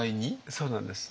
そうなんです。